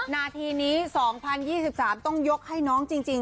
นาทีนี้๒๐๒๓ต้องยกให้น้องจริง